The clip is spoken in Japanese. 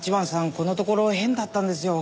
このところ変だったんですよ。